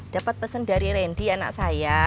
dapat pesan dari randy anak saya